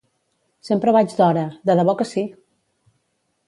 Sempre vaig d'hora! De debò que sí!